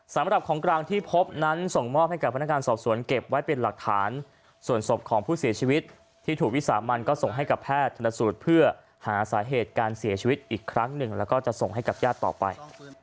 สำหรับของกลางที่พบนั้นส่งมอบให้กับพนักงานสอบสวนเก็บไว้เป็นหลักฐานส่วนศพของผู้เสียชีวิตที่ถูกวิสามันก็ส่งให้กับแพทย์ธนสูตรเพื่อหาสาเหตุการเสียชีวิตอีกครั้งหนึ่งแล้วก็จะส่งให้กับญาติต่อไป